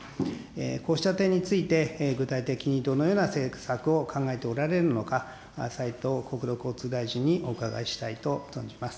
こうした点について、具体的にどのような政策を考えておられるのか、斉藤国土交通大臣にお伺いしたいと存じます。